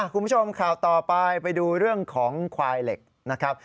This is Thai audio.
คุณผู้ชมข่าวต่อไปไปดูเรื่องของควายเหล็กนะครับ